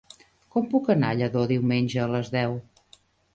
Com puc anar a Lladó diumenge a les deu?